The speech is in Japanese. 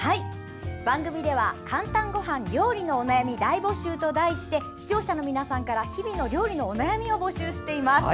番組では「かんたんごはん料理のお悩み大募集！」と題して視聴者の皆さんから日々の料理のお悩みを募集しています。